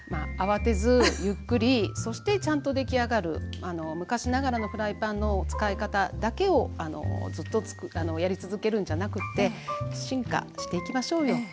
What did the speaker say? あわてずゆっくりそしてちゃんと出来上がるあの昔ながらのフライパンの使い方だけをあのずっとやり続けるんじゃなくて進化していきましょうよ